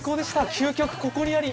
究極ここにあり。